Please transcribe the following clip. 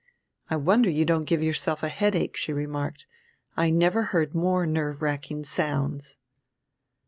"I wonder you don't give yourself a headache," she remarked; "I never heard more nerve racking sounds."